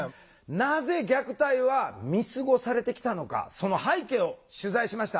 なぜ虐待は見過ごされてきたのかその背景を取材しました。